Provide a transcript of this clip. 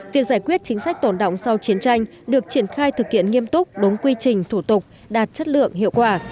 việc giải quyết chính sách tổn động sau chiến tranh được triển khai thực hiện nghiêm túc đúng quy trình thủ tục đạt chất lượng hiệu quả